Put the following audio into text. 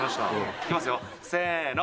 行きますよせの。